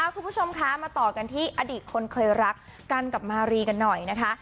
คุณผู้ชมคะมาต่อกันที่อดีตคนเคยรักกันกับมารีกันหน่อยนะคะ